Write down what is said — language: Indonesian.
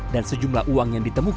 dan sejumlah uang yang diberikan oleh kpk